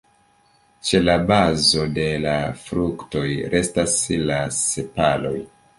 Ĉe la bazo de la fruktoj restas la sepaloj.